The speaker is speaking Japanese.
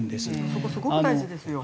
そこすごく大事ですよ。